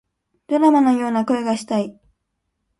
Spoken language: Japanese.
ドラマのような恋がしたい